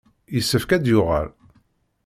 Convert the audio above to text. Yessefk ad d-yuɣal.